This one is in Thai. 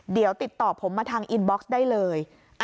เดี๋ยวติดต่อผมมาทางอินบ็อกซ์ได้เลย